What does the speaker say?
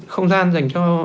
không gian dành cho